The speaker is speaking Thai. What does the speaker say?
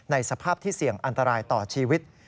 สภาพที่เสี่ยงอันตรายต่อชีวิต